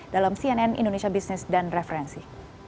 dalam cnn indonesia business dan referensi